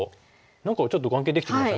何かちょっと眼形できてきましたね。